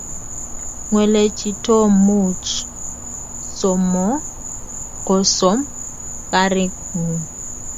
kwelechi tom muuch kosom garit ng'uu